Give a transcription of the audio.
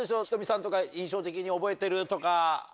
ｈｉｔｏｍｉさんとか印象的に覚えてるとか。